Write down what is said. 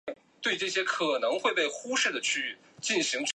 是鬣齿兽科已灭绝的一类。